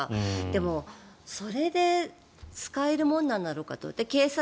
でも、それで使えるものなのだろうかと。